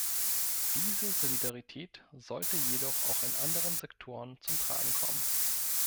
Diese Solidarität sollte jedoch auch in anderen Sektoren zum Tragen kommen.